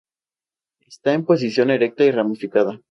Está en posición erecta y ramificada.